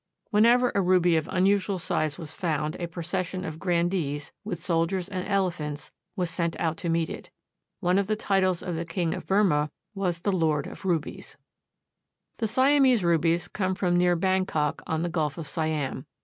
Whenever a ruby of unusual size was found a procession of grandees, with soldiers and elephants, was sent out to meet it. One of the titles of the King of Burmah was Lord of the Rubies. The Siamese rubies come from near Bangkok, on the Gulf of Siam.